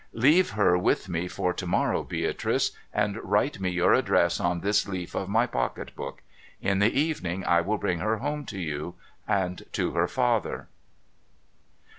' Leave her with me for to morrow, Beatrice, and write me your address on this leaf of my pocket book. In the evening I will bring her home to you — and to her father.'